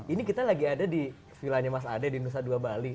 ini kita lagi ada di villanya mas ade di nusa dua bali